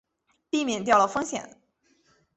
避免掉了风险